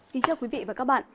xin chào quý vị và các bạn